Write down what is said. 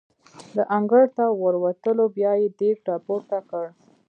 د انګړ ته ور ووتو، بیا یې دېګ را پورته کړ.